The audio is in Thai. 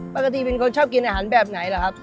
เป็นคนชอบกินอาหารแบบไหนเหรอครับ